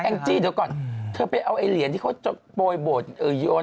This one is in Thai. เออแองจีนเดี๋ยวก่อนถ้าเธอไปเอาไอ้เหรียญที่เขาจบโปรดโยน